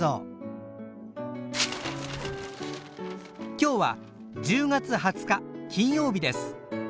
今日は１０月２０日金曜日です。